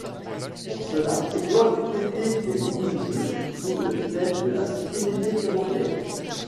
Pour cela, il doit compléter des mini-jeux sous le thème de la sécurité ferroviaire.